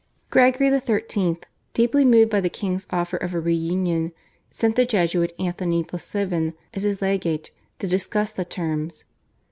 Gregory XIII., deeply moved by the king's offer of a reunion, sent the Jesuit, Anthony Possevin, as his legate to discuss the terms.